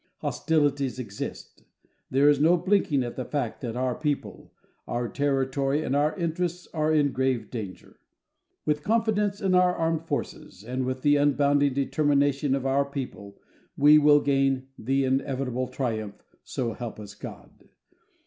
Hostilities exist. There is no blinking at the fact that our people, our territory, and our interests are in grave danger. With confidence in our armed forces, with the unbounding determination of our people, we will gain the inevitable triumph so help us God.